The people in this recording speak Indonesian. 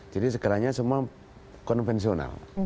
jadi sekarangnya semua konvensional